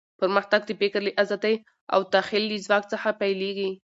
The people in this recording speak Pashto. پرمختګ د فکر له ازادۍ او د تخیل له ځواک څخه پیلېږي.